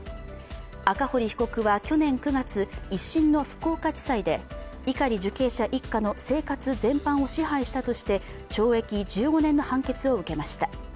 赤堀被告は去年９月、１審の福岡地裁で碇受刑者一家の生活全般を支配したとして懲役１５年の判決を受けました。